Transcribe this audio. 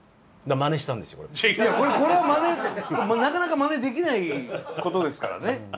これはまねなかなかまねできないことですからね。